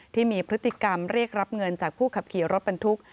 ที่มีพฤติกรรมเรียกรับเงินจากผู้ขับขี่รถบรรทุก